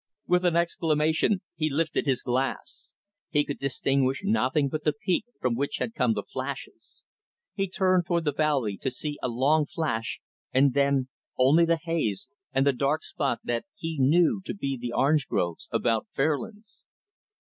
With an exclamation, he lifted his glass. He could distinguish nothing but the peak from which had come the flashes. He turned toward the valley to see a long flash and then only the haze and the dark spot that he knew to be the orange groves about Fairlands.